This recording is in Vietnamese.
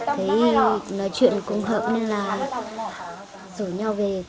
thấy là nói chuyện cùng hợp nên là rủ nhau về